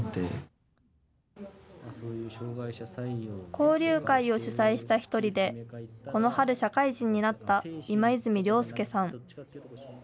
交流会を主催した１人で、この春、社会人になった今泉良輔さん。